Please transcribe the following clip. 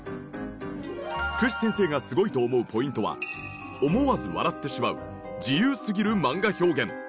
つくし先生がすごいと思うポイントは思わず笑ってしまう自由すぎる漫画表現。